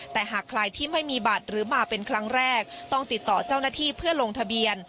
แต่หากใครที่ไม่มีบัตรหรือมาเป็นครั้งแรกต้องติดต่อเจ้าหน้าที่เพื่อลงทะเบียน